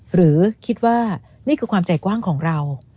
หรือคิดว่านี่คือความใจกว้างของเรา